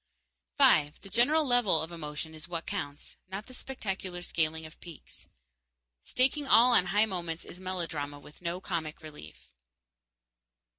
_5. The general level of emotion is what counts, not the spectacular scaling of peaks. Staking all on high moments is melodrama with no comic relief.